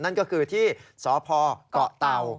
นั่นก็คือที่สพเกาะเตา